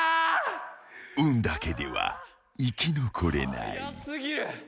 ［運だけでは生き残れない］